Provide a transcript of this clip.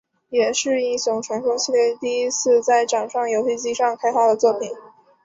也是英雄传说系列第一次在掌上游戏机上开发的作品。